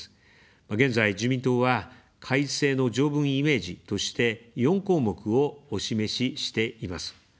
現在、自民党は改正の条文イメージとして、４項目をお示ししています。